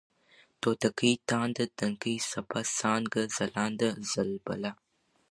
توتکۍ ، تانده ، تنکۍ ، څپه ، څانگه ، ځلانده ، ځلبله